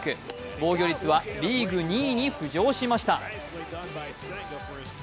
防御率はリーグ２位に浮上しました。